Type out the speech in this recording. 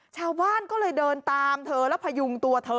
ชาวบ้านก็เลยเดินตามเธอแล้วพยุงตัวเธอ